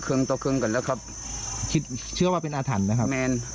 ครึ่งต่อครึ่งกันแล้วครับคิดเชื่อว่าเป็นอาถรรพ์นะครับ